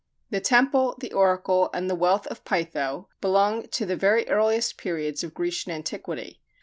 The temple, the oracle, and the wealth of Pytho, belong to the very earliest periods of Grecian antiquity.